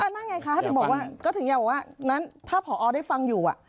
นั่นไงคะก็ถึงอยากบอกว่าถ้าผอได้ฟังอยู่